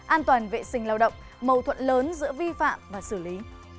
an toàn vệ sinh lao động mâu thuẫn lớn giữa vi phạm và xử lý